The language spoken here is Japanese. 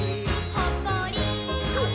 ほっこり。